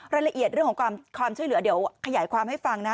เรื่องของความช่วยเหลือเดี๋ยวขยายความให้ฟังนะ